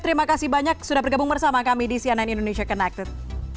terima kasih banyak sudah bergabung bersama kami di cnn indonesia connected